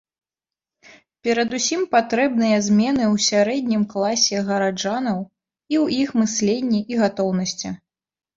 Перадусім патрэбныя змены ў сярэднім класе гараджанаў, у іх мысленні і гатоўнасці.